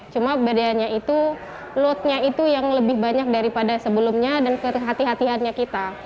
cuma bedanya itu loadnya itu yang lebih banyak daripada sebelumnya dan kehatiannya kita